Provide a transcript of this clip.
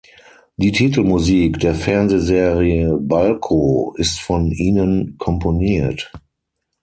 Die Titelmusik der Fernsehserie Balko ist von ihnen komponiert.